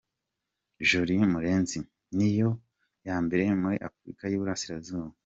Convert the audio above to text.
Jolie Murenzi: Niyo ya mbere muri Afurika y’i Burasirazuba.